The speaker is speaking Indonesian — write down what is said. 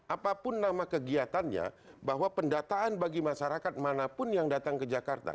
apapun nama kegiatannya bahwa pendataan bagi masyarakat manapun yang datang ke jakarta